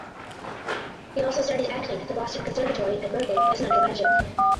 He also studied acting at the Boston Conservatory at Berklee as an undergraduate.